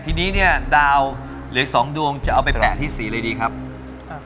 ทีนี้เนี้ยดาวเหลืออีกสองดวงจะเอาไปแปะที่สีอะไรดีครับอ่า